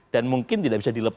dan mungkin tidak bisa dilepas lagi